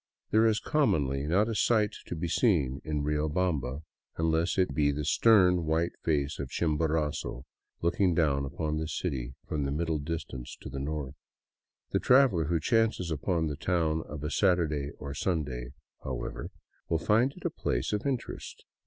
There is commonly not a " sight " to be seen in Riobamba, unless it be the stern, white face of Chimborazo looking down upon the city from the middle distance to the north. The traveler who chances upon the town of a Saturday or Sunday, however, will find it a place of interest.